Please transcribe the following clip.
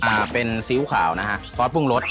อ่าเป็นซีอิ๊วขาวนะฮะซอสปรุงรส